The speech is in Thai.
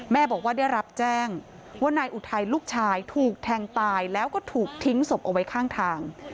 บอกว่าได้รับแจ้งว่านายอุทัยลูกชายถูกแทงตายแล้วก็ถูกทิ้งศพเอาไว้ข้างทาง